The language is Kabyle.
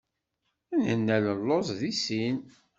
Nella nelluẓ deg sin.